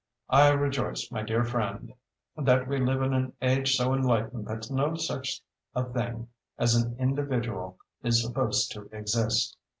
I rejoice, my dear friend, that we live in an age so enlightened that no such a thing as an individual is supposed to exist.